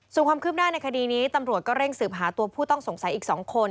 ส่วนความคืบหน้าในคดีนี้ตำรวจก็เร่งสืบหาตัวผู้ต้องสงสัยอีก๒คน